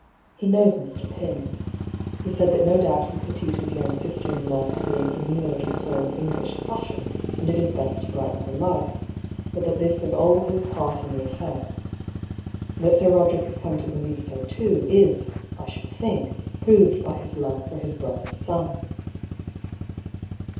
He knows Mr. Pym. He said that no doubt he pitied his young sister in law for being immured in so un English a fashion, and did his best to brighten her life ; but that this was all his part in the affair. That Sir Boderick has come to believe so too, is, I should think, proved by his love for his brother's son."